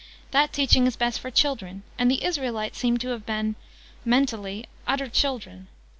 That teaching is best for children, and the Israelites seem to have been, mentally, utter children.